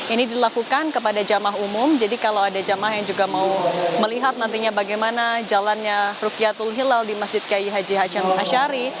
ini dilakukan kepada jamaah umum jadi kalau ada jamaah yang juga mau melihat nantinya bagaimana jalannya rukyatul hilal di masjid kiai haji hasyam ashari